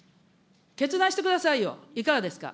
決断してくださいよ、いかがですか。